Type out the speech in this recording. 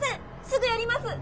すぐやります。